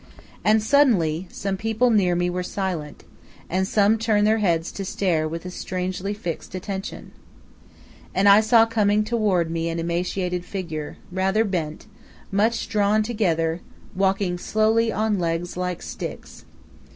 And suddenly some people near me were silent, and some turned their heads to stare with a strangely fixed attention. And I saw coming toward me an emaciated figure, rather bent, much drawn together, walking slowly on legs like sticks.